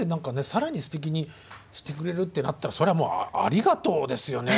更にすてきにしてくれるってなったらそれはもうありがとうですよね。